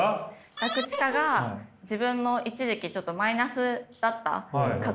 ガクチカが自分の一時期ちょっとマイナスだった過去というか。